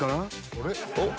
あれ？